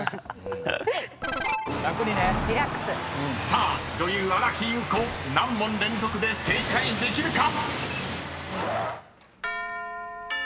［さあ女優新木優子何問連続で正解できるか⁉］